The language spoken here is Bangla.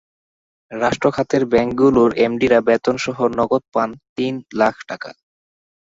রাষ্ট্র খাতের ব্যাংকগুলোর এমডিরা বেতনসহ নগদ পান তিন লাখ টাকা।